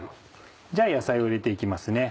じゃあ野菜を入れて行きますね。